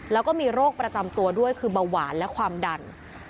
แล้วก็มีโรคประจำตัวด้วยคือเบาหวานและความดัน